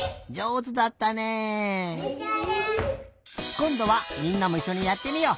こんどはみんなもいっしょにやってみよう！